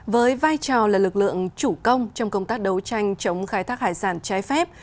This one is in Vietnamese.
với vai trò là lực lượng chủ công trong công tác đấu tranh chống khai thác hải sản trái phép